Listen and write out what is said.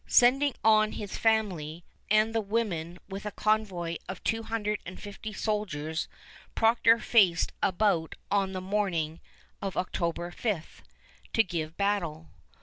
Sending on his family and the women with a convoy of two hundred and fifty soldiers, Procter faced about on the morning of October the 5th, to give battle.